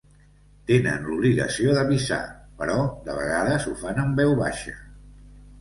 Tenen l’obligació d’avisar, però, de vegades, ho fan en veu baixa.